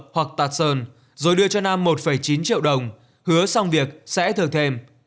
hoặc tạt sơn rồi đưa cho nam một chín triệu đồng hứa xong việc sẽ thừa thêm